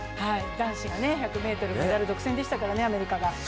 男子が１００ｍメダル独占でしたからね、アメリカが。